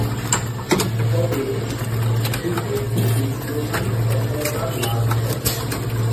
তবে, ক্রিকেট থেকেই প্রধান সফলতা লাভ করেন।